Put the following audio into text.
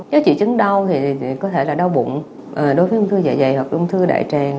các triệu chứng đau thì có thể là đau bụng đối với ung thư dạ dày hoặc ung thư đại tràng